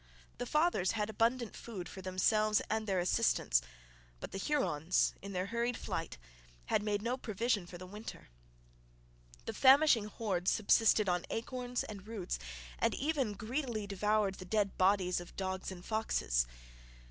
The fathers had abundant food for themselves and their assistants; but the Hurons, in their hurried flight, had made no provision for the winter. The famishing hordes subsisted on acorns and roots, and even greedily devoured the dead bodies of dogs and foxes.